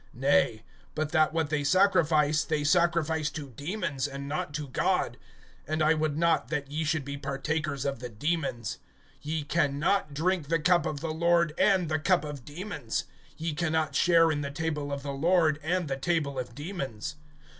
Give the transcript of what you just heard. (20)Nay; but that what they sacrifice, they sacrifice to demons, and not to God; and I would not that ye should be partakers of the demons. (21)Ye can not drink the cup of the Lord, and the cup of demons; ye can not share in the table of the Lord, and the table of demons.